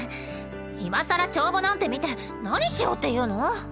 今更帳簿なんて見て何しようっていうの？